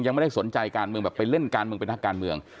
ยังไม่ได้สนใจการเมืองแบบไปเล่นการเมืองเป็นนักการเมือง